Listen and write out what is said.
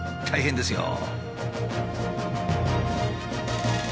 大変です。